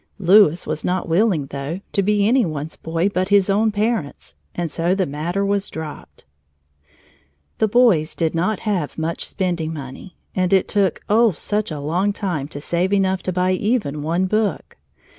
Louis was not willing, though, to be any one's boy but his own parents', and so the matter was dropped. The boys did not have much spending money, and it took, oh, such a long time to save enough to buy even one book!